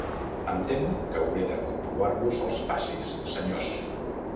Em temo que hauré de comprovar-vos els passis, senyors.